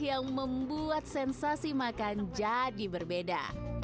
yang membuat sensasi makan jadi berbeda